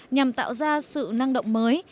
nhằm tạo ra sự năng động mới